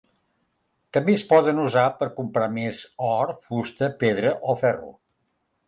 També es poden usar per comprar més or, fusta, pedra o ferro.